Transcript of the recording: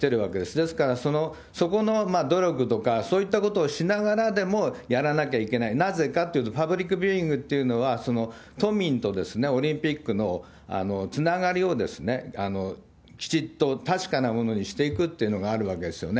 ですから、そこの努力とか、そういったことをしながらでもやらなきゃいけない、なぜかというと、パブリックビューイングというのは、都民とオリンピックのつながりをきちっと確かなものにしていくというのがあるわけですよね。